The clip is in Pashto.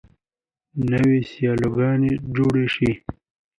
نوې سیلوګانې جوړې شي.